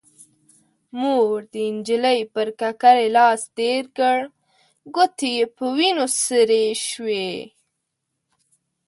مور د نجلۍ پر ککرۍ لاس تير کړ، ګوتې يې په وينو سرې شوې.